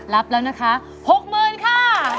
รับแล้วนะคะหกเมินค่ะ